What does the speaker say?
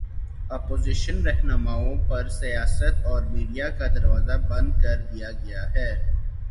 Opposition راہنماؤں پر سیاست اور میڈیا کا دروازہ بند کر دیا گیا ہے۔